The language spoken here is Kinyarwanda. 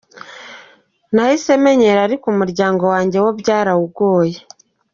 Nahise menyera ariko umuryango wanjye wo byarawugoye.